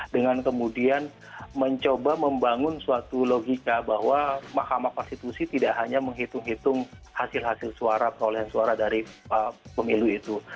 dengan kemudian mencoba membangun suatu logika bahwa mahkamah konstitusi tidak hanya menghitung hitung hasil hasil suara perolehan suara dari pemilu itu